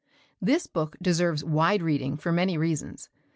This book deserves wide reading for many reasons.